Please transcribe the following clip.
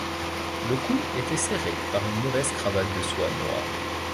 Le cou était serré par une mauvaise cravate de soie noire.